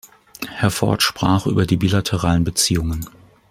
Herr Ford sprach über die bilateralen Beziehungen.